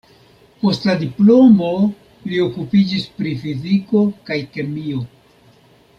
Post la diplomo li okupiĝis pri fiziko kaj kemio.